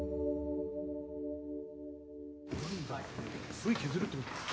Ｖ削るってことですか？